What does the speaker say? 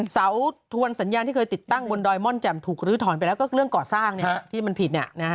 เสาทวนสัญญาณที่เคยติดตั้งบนดอยม่อนแจ่มถูกลื้อถอนไปแล้วก็เรื่องก่อสร้างที่มันผิด